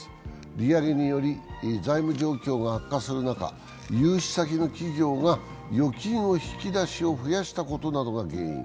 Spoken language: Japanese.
利上げにより財務状況が悪化する中融資先の企業が預金の引き出しを増やしたことが原因。